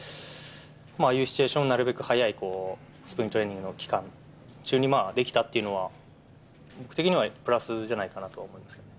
ああいうシチュエーションを早いスプリングトレーニングの期間中にできたっていうのは、僕的にはプラスじゃないかなとは思いますけど。